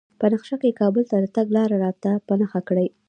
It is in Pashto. په نقشه کې کابل ته د تګ لار راته په نښه کړئ